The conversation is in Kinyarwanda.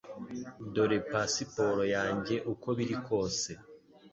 Dore pasiporo yanjye uko biri kose